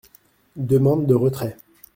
Demande de retrait.